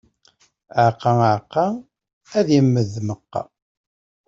Aɛeqqa, aɛeqqa, ad immed meqqa.